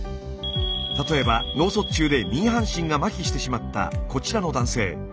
例えば脳卒中で右半身がまひしてしまったこちらの男性。